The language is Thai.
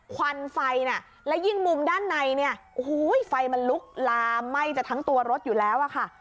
ควันไฟและยิ่งมุมด้านในไฟมันลุกลามไหม้จากทั้งตัวรถอยู่แล้วค่ะ